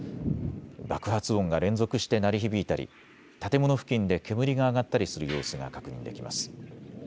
爆発音が連続して鳴り響いたり建物付近で煙が上がったりする様子が確認できます。